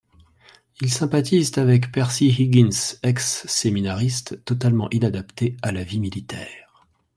Ils sympathisent avec Percy Higgins, ex-séminariste, totalement inadapté à la vie militaire.